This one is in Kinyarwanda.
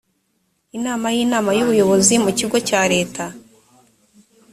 inama y inama y ubuyobozi mu kigo cya leta